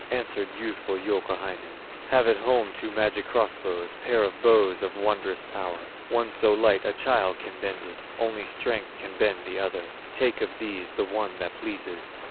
Answered youthful Youkahainen: "Have at home two magic cross bows, Pair of bows of wondrous power, One so light a child can bend it, Only strength can bend the other, Take of these the one that pleases."